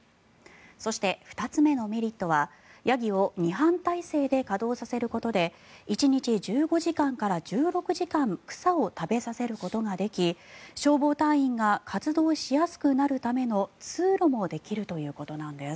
そして、２つ目のメリットはヤギを２班態勢で稼働させることで１日１５時間から１６時間草を食べさせることができ消防隊員が活動しやすくなるための通路もできるということなんです。